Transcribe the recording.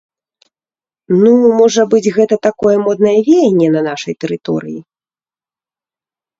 Ну, можа быць, гэта такое моднае веянне на нашай тэрыторыі?!